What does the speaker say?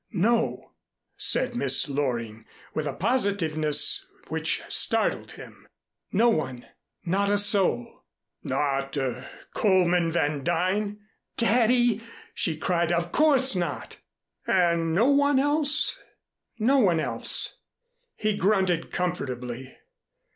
"No," said Miss Loring, with a positiveness which startled him. "No one not a soul." "Not Coleman Van Duyn " "Daddy!" she cried. "Of course not!" "And no one else?" "No one else." He grunted comfortably.